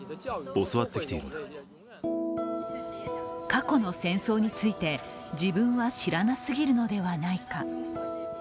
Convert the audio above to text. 過去の戦争について自分は知らなすぎるのではないか。